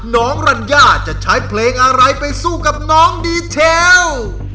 น้องรัญญาจะใช้เพลงอะไรไปสู้กับน้องดีเทล